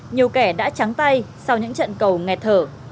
nhiều kẻ đã trắng tay sau những trận cầu nghẹt thở